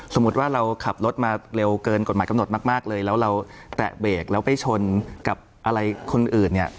สมมุติว่าเราขับรถมาเร็วเกินกฎหมายกำหนดมากเลยแล้วเราแตะเบรกแล้วไปชนกับอะไรคนอื่นเนี่ย